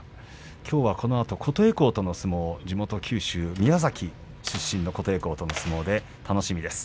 きょうはこのあと琴恵光との相撲地元九州宮崎出身の琴恵光との相撲、楽しみです。